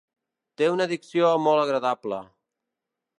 Té una dicció molt agradable.